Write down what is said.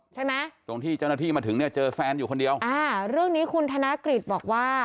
ใช่ไหมตรงที่เจ้าหน้าที่มาถึงเนี่ยเจอแฟนอยู่คนเดียวอ่าเรื่องนี้คุณธนกฤษบอกว่า